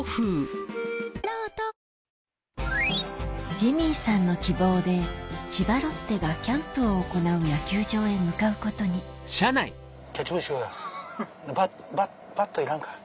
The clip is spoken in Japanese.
ジミーさんの希望で千葉ロッテがキャンプを行う野球場へ向かうことにバットはいらんか。